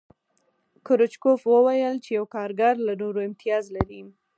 کرو چکوف وویل چې یو کارګر له نورو امتیاز لري